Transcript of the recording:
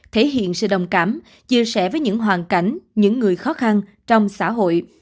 thể hiện sự đồng cảm chia sẻ với những hoàn cảnh những người khó khăn trong xã hội